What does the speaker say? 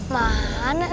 gak ada kak